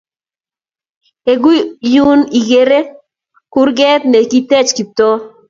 Eng' yun igeere kurger ne kitech Kiptoo.